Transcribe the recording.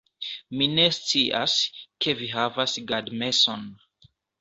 Mi ne scias, ke vi havas gadmeson